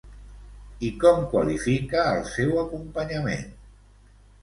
I com qualifica el seu acompanyament?